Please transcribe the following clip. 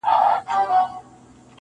تفسير دي راته شیخه د ژوند سم ویلی نه دی,